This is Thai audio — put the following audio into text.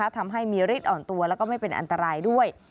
ทำให้มีฤทธิอ่อนตัวแล้วก็ไม่เป็นอันตรายด้วย